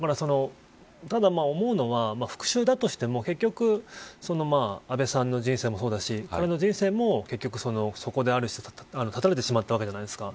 ただ思うのは、復讐だとしても結局、安倍さんの人生もそうだし彼の人生も結局そこである種絶たれてしまったわけじゃないですか。